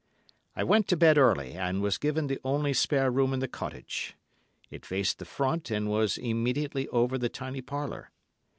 I went to bed early and was given the only spare room in the cottage. It faced the front and was immediately over the tiny parlour.